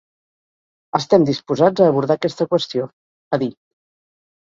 Estem disposats a abordar aquesta qüestió, ha dit.